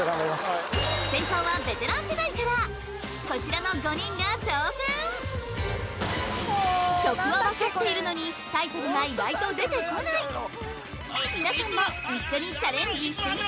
はい先攻はベテラン世代からこちらの５人が挑戦曲は分かっているのにタイトルが意外と出てこない皆さんもさあ